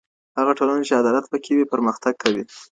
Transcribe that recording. هغه ټولنه چي عدالت پکې وي پرمختګ کوي.